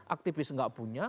aktivis tidak punya